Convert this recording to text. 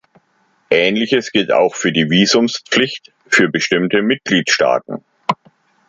Ähnliches gilt auch für die Visumspflicht für bestimmte Mitgliedstaaten.